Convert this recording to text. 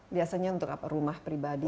biasanya untuk rumah pribadi